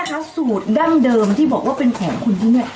หมดน้ำแม่คะสูตรดั้งเดิมที่บอกว่าเป็นของคุณที่นี่